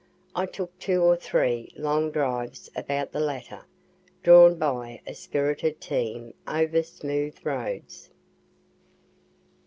I took two or three long drives about the latter, drawn by a spirited team over smooth roads.